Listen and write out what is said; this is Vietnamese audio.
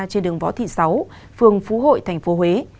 trên đường võ thị sáu phường phú hội tp huế